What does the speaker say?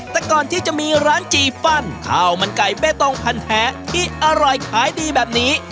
แต่ก่อนที่จะมีร้านจีฟันข้าวมันไก่เบตงพันแท้ที่อร่อยขายดีแบบนี้